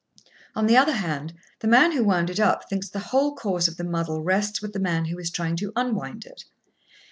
On the other hand, the man who wound it up thinks the whole cause of the muddle rests with the man who is trying to unwind it.